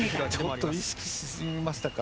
ちょっと意識しすぎましたか。